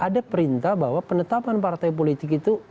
ada perintah bahwa penetapan partai politik itu